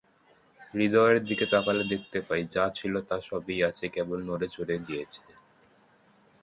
হৃদয়ের দিকে তাকালে দেখতে পাই যা ছিল তা সবই আছে, কেবল নড়ে-চড়ে গিয়েছে।